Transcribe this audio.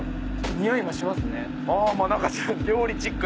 においもしますね。